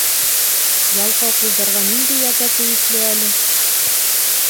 Ялҡау ҡолдарға ниндәй яза тейешле әле?